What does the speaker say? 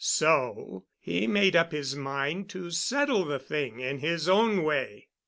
So he made up his mind to settle the thing in his own way.